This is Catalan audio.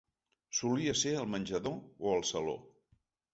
Solia ser al menjador o al saló.